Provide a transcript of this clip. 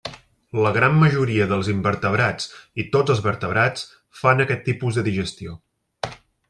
La gran majoria dels invertebrats i tots els vertebrats fan aquest tipus de digestió.